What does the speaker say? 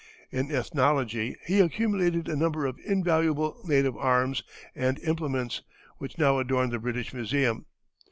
In ethnology he accumulated a number of invaluable native arms and implements, which now adorn the British Museum.